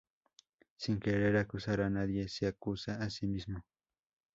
Sin querer acusar a nadie, se acusa a sí mismo.